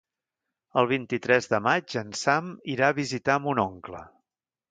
El vint-i-tres de maig en Sam irà a visitar mon oncle.